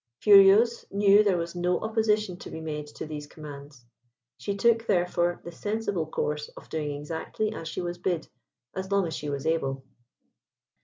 Furieuse knew there was no opposition to be made to these commands. She took, therefore, the sensible course of doing exactly as she was bid as long as she was able.